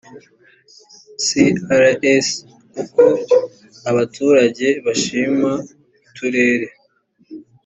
crc uko abaturage bashima uturere